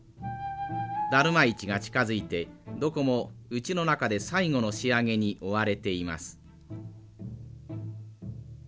だるま市が近づいてどこもうちの中で最後の仕上げに追われています。